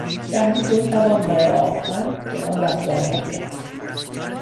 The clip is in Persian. شهری که میتوان با راه آهن به آن رفت و آمد کرد.